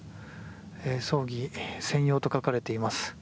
葬儀専用と書かれています。